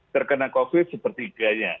terkena covid sepertiganya